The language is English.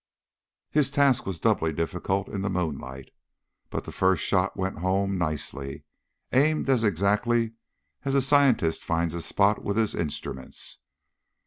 His task was doubly difficult in the moonlight. But the first shot went home nicely, aimed as exactly as a scientist finds a spot with his instruments.